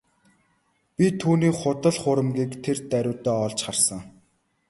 Би түүний худал хуурмагийг тэр даруйдаа олж харсан.